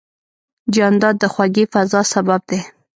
جانداد د خوږې فضا سبب دی.